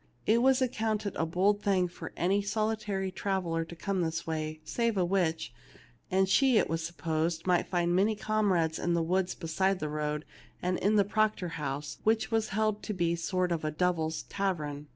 It was accounted a bold thing for any solitary trav eller to come this way, save a witch, and she, it was supposed, might find many comrades in the woods beside the road and in the Proctor house, which was held to be a sort of devils' tavern.